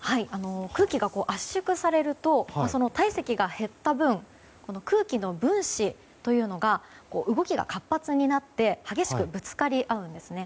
空気が圧縮されると体積が減った分空気の分子というのが動きが活発になって激しくぶつかり合うんですね。